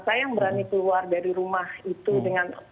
saya yang berani keluar dari rumah itu dengan